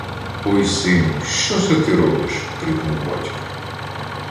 - Ой сину, що се ти робиш?- крикнув батько.